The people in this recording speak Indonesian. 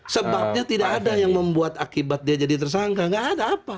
sebabnya tidak ada yang membuat akibat dia jadi tersangka nggak ada apa